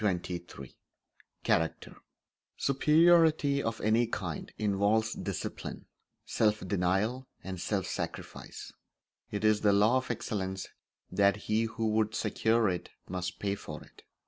Chapter XXIII Character Superiority of any kind involves discipline, self denial, and self sacrifice. It is the law of excellence that he who would secure it must pay for it.